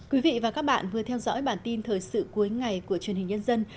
quý vị và các bạn vừa theo dõi bản tin thời sự cuối ngày của truyền hình nhân dân